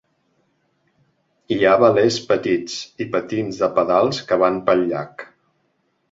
Hi ha velers petits i patins de pedals que van pel llac.